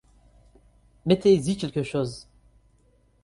Mettez-y quelque chose.